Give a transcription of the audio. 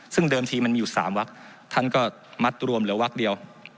ซึ่งเดิมทีมันมีอยู่๓วักท่านก็มัดรวมเหลือวักเดียว